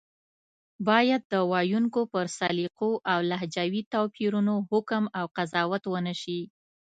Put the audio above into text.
بايد د ویونکو پر سلیقو او لهجوي توپیرونو حکم او قضاوت ونشي